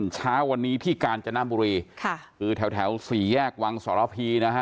เช้าวันนี้ที่กาญจนบุรีค่ะคือแถวสี่แยกวังสรพีนะฮะ